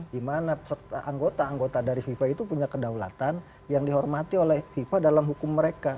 dimana anggota anggota dari fifa itu punya kedaulatan yang dihormati oleh fifa dalam hukum mereka